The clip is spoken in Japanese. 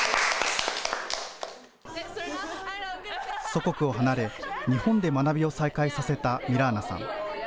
祖国を離れ、日本で学びを再開させたミラーナさん。